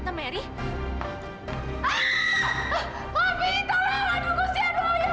tante tidak suka tidak suka denger tipis sama dia